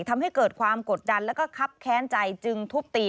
ทำให้เกิดความกดดันแล้วก็คับแค้นใจจึงทุบตี